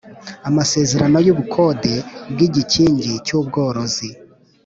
amasezerano y ubukode bw igikingi cy ubworozi